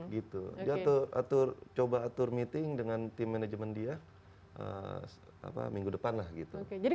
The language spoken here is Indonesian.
gitu jatuh atur coba atur meeting dengan tim manajemen dia apa minggu depan lah gitu oke jadi